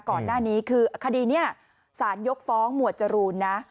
ก่อนหน้านี้คือคดีนี้สารยกฟ้องหมวดจรูนนะ